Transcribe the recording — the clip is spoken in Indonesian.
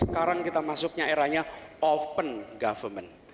sekarang kita masuknya eranya open government